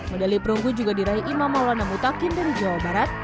medali perunggu juga diraih imam maulana mutakin dari jawa barat